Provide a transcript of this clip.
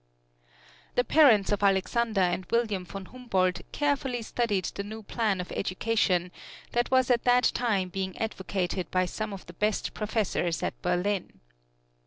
The parents of Alexander and William von Humboldt carefully studied the new plan of education that was at that time being advocated by some of the best professors at Berlin.